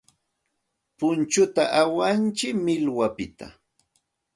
Punchuta awantsik millwapiqta.